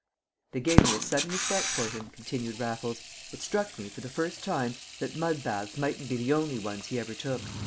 "They gave me a sudden respect for him," continued Raffles; "it struck me, for the first time, that mud baths mightn't be the only ones he ever took.